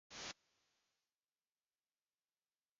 囡仔仙，扮大仙